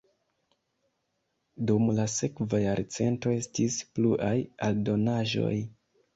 Dum la sekva jarcento estis pluaj aldonaĵoj.